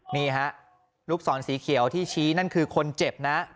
นี่ฮะลูกศรสีเขียวที่ชี้นั่นคือคนเจ็บนะ